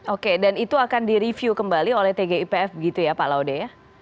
oke dan itu akan direview kembali oleh tgipf gitu ya pak laude ya